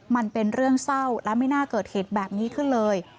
มันเป็นเรื่องเศร้าและไม่น่าเกิดเหตุแบบนี้ขึ้นเลย